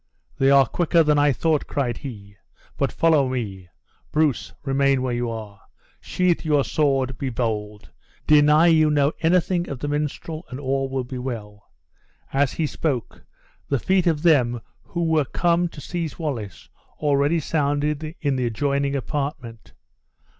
"They are quicker than I thought!" cried he; "but follow me. Bruce, remain where you are: sheathe your sword be bold; deny you know anything of the minstrel, and all will be well." As he spoke, the feet of them who were come to seize Wallace already sounded in the adjoining apartment.